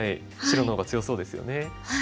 白の方が強そうですよね。